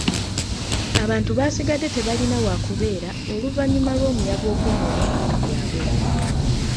Abantu baasigadde tebalina waakubeera oluvannyuma lw'omuyaga okwonoona ebintu byabwe.